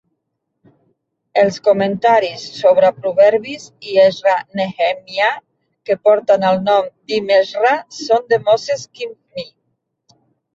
Els comentaris sobre Proverbis i Ezra-Nehemiah que porten el nom d'Ibn Ezra són de Moses Kimhi.